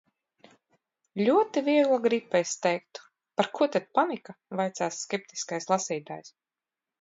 Ļoti viegla gripa, es teiktu. Par ko tad panika, vaicās skeptiskais lasītājs.